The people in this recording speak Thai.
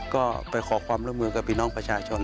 ก็ไปขอความร่วมมือกับพี่น้องประชาชน